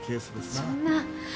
そんな。